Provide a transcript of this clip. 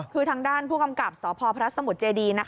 คือทางด้านผู้กำกับสพพระสมุทรเจดี